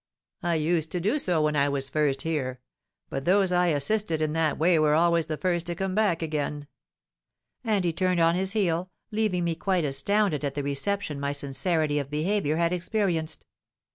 I used to do so when I was first here; but those I assisted in that way were always the first to come back again.'—And he turned on his heel, leaving me quite astounded at the reception my sincerity of behaviour had experienced.